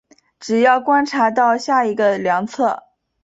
只要观察到下一个量测。